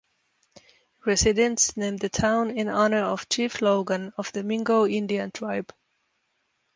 Residents named the town in honor of Chief Logan of the Mingo Indian tribe.